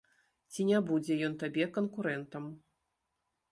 Ці не будзе ён табе канкурэнтам?